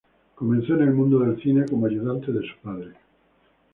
Comenzó en el mundo del cine como ayudante de su padre.